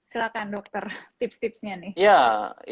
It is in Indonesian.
silahkan dokter tips tipsnya nih